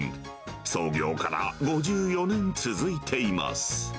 創業から５４年続いています。